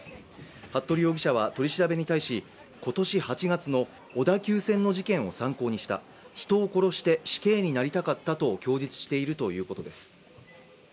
服部容疑者は取り調べに対し、今年８月の小田急線の事件を参考にした、人を殺して死刑になりたかったと供述しているということです。